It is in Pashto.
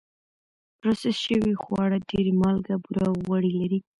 پروسس شوي خواړه ډېر مالګه، بوره او غوړي لري.